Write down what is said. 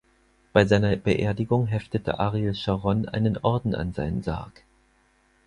Bei seiner Beerdigung heftete Ariel Scharon einen Orden an seinen Sarg.